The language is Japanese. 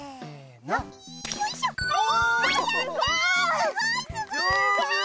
すごいすごい！